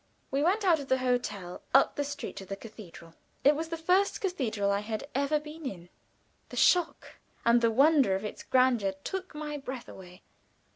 We went out of the hotel, up the street to the cathedral. It was the first cathedral I had ever been in. The shock and the wonder of its grandeur took my breath away.